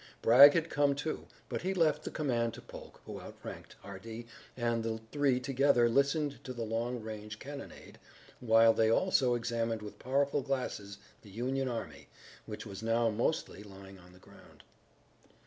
Bragg had come, too, but he left the command to Polk, who outranked Hardee, and the three together listened to the long range cannonade, while they also examined with powerful glasses the Union army which was now mostly lying on the ground.